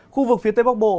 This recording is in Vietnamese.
khu vực phía tây bắc bộ